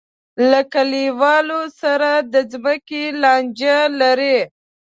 له کلیوالو سره د ځمکې لانجه لري.